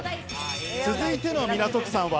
続いての港区さんは？